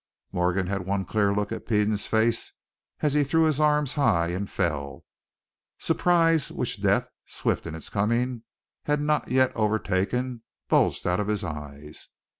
Morgan had one clear look at Peden's face as he threw his arms high and fell. Surprise, which death, swift in its coming had not yet overtaken, bulged out of his eyes.